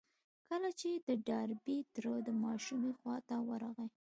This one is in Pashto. کله چې د ډاربي تره د ماشومې خواته ورغی.